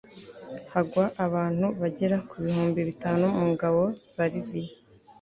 hagwa abantu bagera ku bihumbi bitanu mu ngabo za liziya